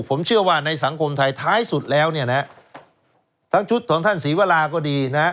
ผมเชื่อว่าในสังคมไทยท้ายสุดแล้วเนี่ยนะฮะทั้งชุดของท่านศรีวราก็ดีนะฮะ